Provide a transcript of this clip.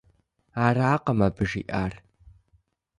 Аракъым абы жиӏар.